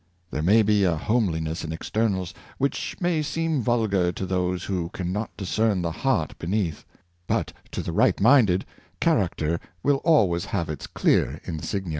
There may be a homeliness in externals, which ma}^ seem vulgar to those who can not discern the heart beneath; but, to the right minded, character will always have its clear insignia.